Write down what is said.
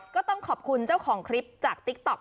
ก็ต้องขอบคุณเจ้าของคลิปจากติ๊กต๊อก